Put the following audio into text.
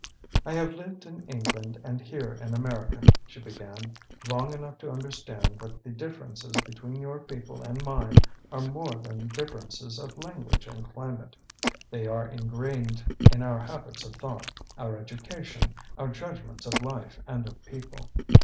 "I have lived in England and here in America," she began, "long enough to understand that the differences between your people and mine are more than the differences of language and climate; they are ingrained in our habits of thought, our education, our judgments of life and of people.